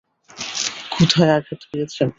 কোথায় আঘাত পেয়েছেন?